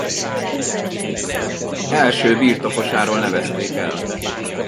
Első birtokosáról nevezték el.